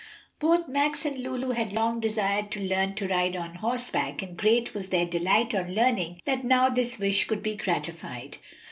Both Max and Lulu had long desired to learn to ride on horseback, and great was their delight on learning that now this wish could be gratified.